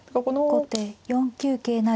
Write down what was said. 後手４九桂成。